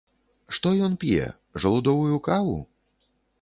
Што ён п'е жалудовую каву?